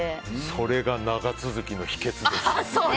それが長続きの秘訣です！